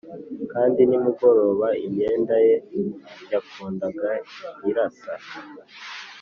kandi nimugoroba imyenda ye yakundaga irasa